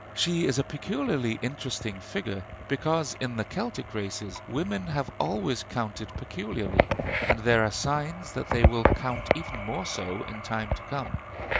She is a peculiarly interesting figure, because in the Celtic races women have always counted peculiarly; and there are signs that they will count even more in time to come.